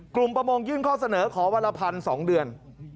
กลุ่มประมงยื่นข้อเสนอขอวารพันธุ์๒เดือน